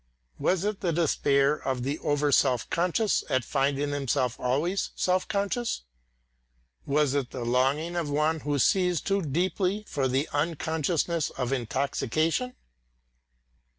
Was it the despair of the over self conscious at finding himself always self conscious? Was it the longing of one who sees too deeply for the unconsciousness of intoxication?